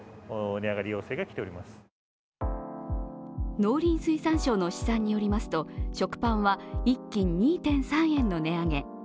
農林水産省の試算によりますと、食パンは１斤２３円の値上げ